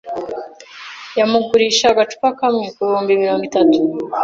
yamugurisha agacupa kamwe ku bihumbi mirongo itatu